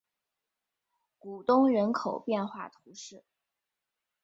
古东人口变化图示